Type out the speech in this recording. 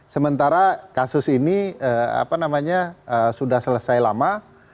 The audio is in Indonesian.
sementara kasus ini apa namanya sudah selesai lama